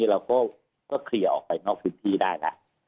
เราก็เคลียร์ออกไปนอกพื้นที่ได้แล้ว